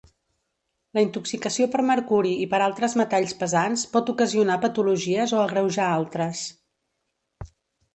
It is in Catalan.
La intoxicació per mercuri i per altres metalls pesants pot ocasionar patologies o agreujar altres.